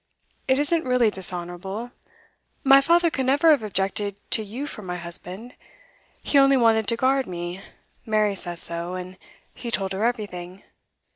It isn't really dishonourable. My father could never have objected to you for my husband. He only wanted to guard me Mary says so, and he told her everything.